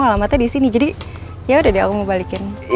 alamatnya disini jadi yaudah deh aku mau balikin